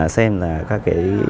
xem là các cái